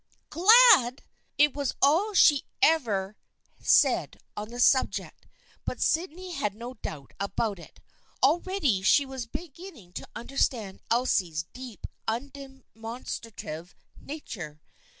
" Glad !" It was all she ever said on the subject, but Syd ney had no doubt about it. Already she was begin ning to understand Elsie's deep, undemonstrative nature.